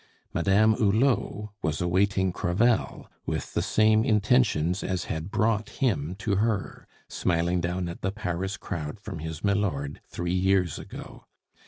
Madame Hulot was awaiting Crevel with the same intentions as had brought him to her, smiling down at the Paris crowd from his milord, three years ago.